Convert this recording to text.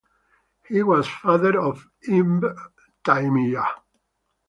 He was father of Ibn Taymiyyah.